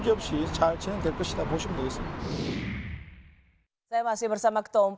dan saya akan berbicara dengan kocin sampai tahun dua ribu dua puluh tujuh